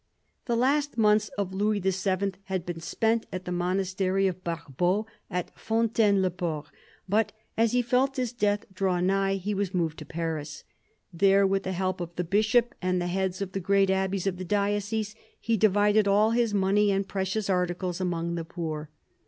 The last months of Louis VII. had been spent at the monastery of Barbeaux, at Fontaine~le Port ; but as he felt his death draw nigh he was moved to Paris. There, with the help of the bishop and the heads of the great abbeys of the diocese, he divided all his money and precious articles among the poor.